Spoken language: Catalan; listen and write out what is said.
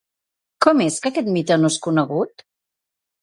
Com és que aquest mite no és conegut?